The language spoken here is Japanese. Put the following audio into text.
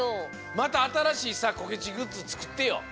またあたらしいさこけしグッズつくってよ。